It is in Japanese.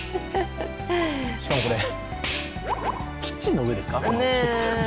しかも、キッチンの上ですか。